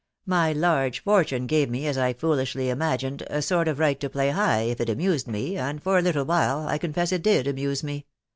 My large fortune gave me, as I foolishly imagined, a sort of right to play high if it amused me, and for a little while, I confess it did amuse me